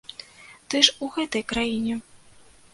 Ты ж у гэтай краіне.